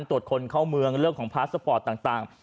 ตรวจคนเข้าเมืองเรื่องของพาสปอร์ตต่าง